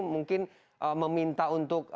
mungkin meminta untuk